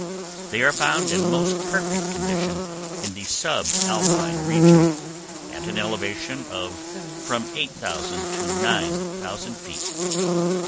They are found in most perfect condition in the subalpine region, at an elevation of from eight thousand to nine thousand feet.